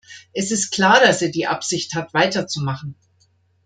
Es ist klar, dass er die Absicht hat weiter zu machen.